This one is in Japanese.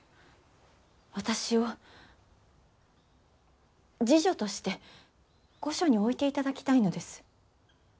私を侍女として御所に置いていただきたいのです。